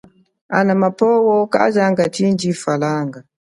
Ana mapwo kazanga chindji falanga.